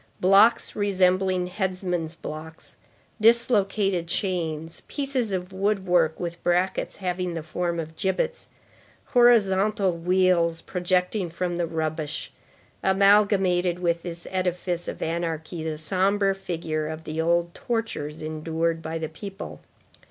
Blocks resembling headsman's blocks, dislocated chains, pieces of woodwork with brackets having the form of gibbets, horizontal wheels projecting from the rubbish, amalgamated with this edifice of anarchy the sombre figure of the old tortures endured by the people.